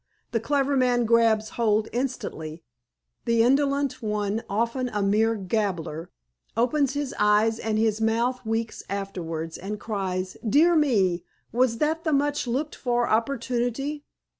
The clever man grabs hold instantly. The indolent one, often a mere gabbler, opens his eyes and his mouth weeks afterwards, and cries, 'Dear me! Was that the much looked for opportunity?